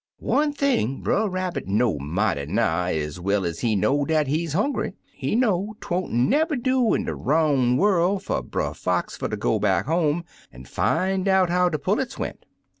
"One thing Brer Rabbit know mighty nigh ez well ez he know dat he's hongry. He know 'twon't never do in de roun* worl* fer Brer Fox fer ter go back home, an' fin' out how de pullets went.